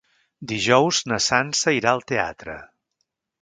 Dijous na Sança irà al teatre.